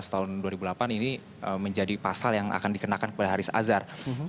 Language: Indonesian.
jadi ini adalah hal yang akan dikenakan oleh haris azhar